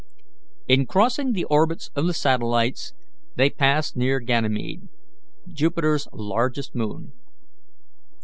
In crossing the orbits of the satellites, they passed near Ganymede, Jupiter's largest moon.